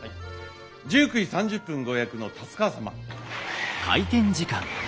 １９時３０分ご予約の達川様。